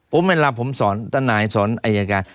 เพราะเวลาผมสอนตนายสอนอายการ